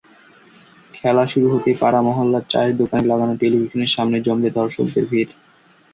খেলা শুরু হতেই পাড়া-মহল্লার চায়ের দোকানে লাগানো টেলিভিশনের সামনে জমবে দর্শকের ভিড়।